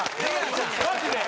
マジで。